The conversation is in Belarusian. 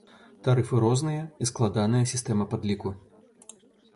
Тарыфы розныя, і складаная сістэма падліку.